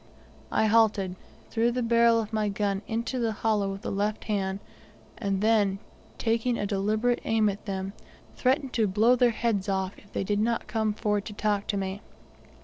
I halted, threw the barrel of my gun into the hollow of the left hand, and then, taking a deliberate aim at them, threatened to blow their heads off if they did not come forward to talk to me.